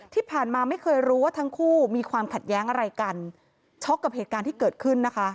ที่ผ่านมาไม่เคยรู้ว่าทั้งคู่มีความขัดแย้งอะไรกันช็อกกับเหตุการณ์ที่เกิดขึ้นนะคะ